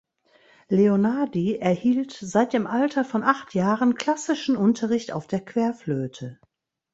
Leonardi erhielt seit dem Alter von acht Jahren klassischen Unterricht auf der Querflöte.